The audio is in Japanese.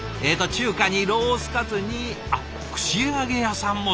中華にロースカツにあっ串揚げ屋さんも。